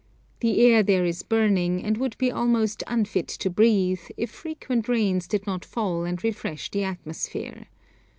The air there is burning, and would be almost unfit to breathe, if frequent rains did not fall and refresh the atmosphere.